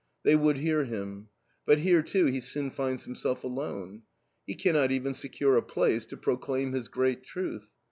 They would hear him. But here, too, he soon finds himself alone. He cannot even secure a place to proclaim his great truth.